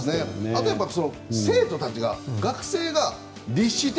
あと、生徒たちが学生が律して